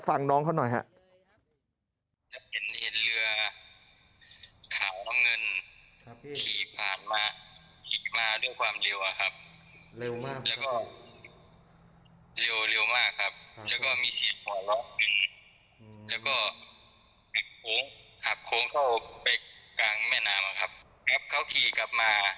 ฟังน้องเขาหน่อยครับ